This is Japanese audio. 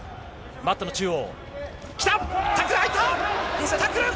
マットの中央。